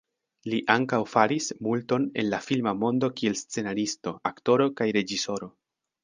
Li ankaŭ faris multon en la filma mondo kiel scenaristo, aktoro kaj reĝisoro.